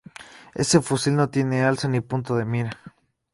Este fusil no tiene alza ni punto de mira.